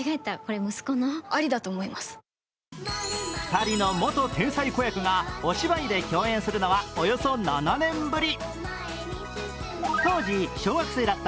２人の元天才子役がお芝居で共演するのはおよそ７年ぶり。